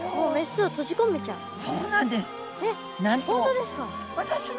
そうなんです。